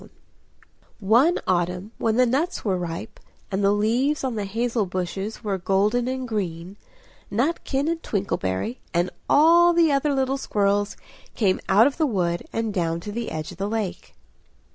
One autumn when the nuts were ripe, and the leaves on the hazel bushes were golden and green Nutkin and Twinkleberry and all the other little squirrels came out of the wood, and down to the edge of the lake.